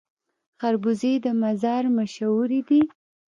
خربوزې د مزار مشهورې دي